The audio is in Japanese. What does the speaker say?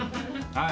はい。